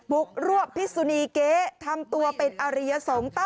แม่ของแม่ชีอู๋ได้รู้ว่าแม่ของแม่ชีอู๋ได้รู้ว่า